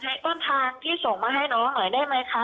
ให้ต้นทางที่ส่งมาให้น้องหน่อยได้ไหมคะ